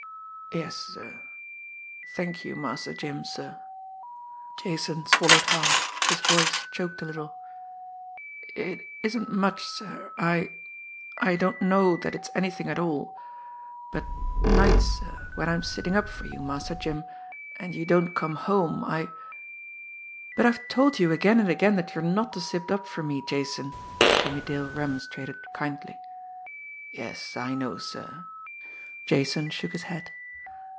"Yes, sir. Thank you, Master Jim, sir." Jason swallowed hard; his voice choked a little. "It isn't much, sir, I I don't know that it's anything at all; but nights, sir, when I'm sitting up for you, Master Jim, and you don't come home, I " "But I've told you again and again that you are not to sit up for me, Jason," Jimmie Dale remonstrated kindly. "Yes, I know, sir." Jason shook his head.